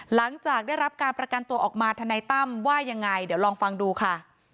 หลังจากได้รับการประกันตัวออกมาทนายตั้มว่ายังไงเดี๋ยวลองฟังดูค่ะ